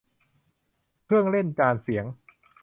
เครื่องเล่นจานเสียง